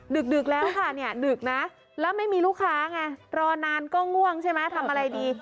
ดึกแล้วค่ะเนี่ยดึกนะแล้วไม่มีลูกค้าไงรอนานก็ง่วงใช่ไหมทำอะไรดี